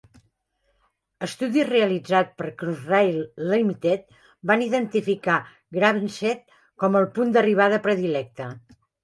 Estudis realitzats per Crossrail Limited van identificar Gravesend com el punt d'arribada predilecte.